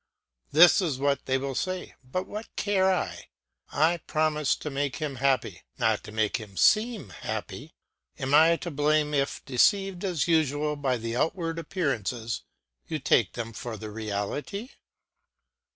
This is what they will say, but what care I? I promised to make him happy, not to make him seem happy. Am I to blame if, deceived as usual by the outward appearances, you take them for the reality?